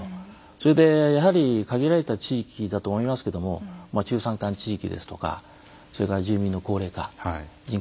それでやはり限られた地域だと思いますけども中山間地域ですとか住民の高齢化人口減少